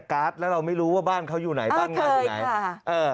การ์ดแล้วเราไม่รู้ว่าบ้านเขาอยู่ไหนตั้งงานอยู่ไหนเออเคยค่ะเออ